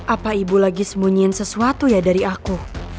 apa ibu lagi sembunyiin sesuatu ya dari aku